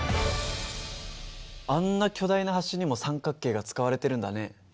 あんな巨大な橋にも三角形が使われてるんだね。